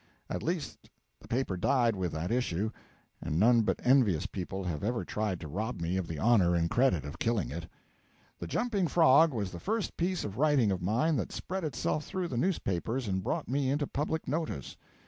At least the paper died with that issue, and none but envious people have ever tried to rob me of the honour and credit of killing it. The 'Jumping Frog' was the first piece of writing of mine that spread itself through the newspapers and brought me into public notice.